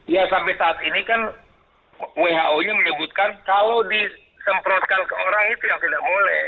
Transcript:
ya sampai saat ini kan who nya menyebutkan kalau disemprotkan ke orang itu yang tidak boleh